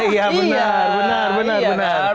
iya benar benar